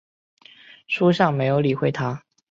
叔向没有理会他。